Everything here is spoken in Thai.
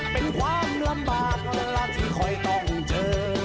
เป็นความลำบากเวลาที่คอยต้องเจอ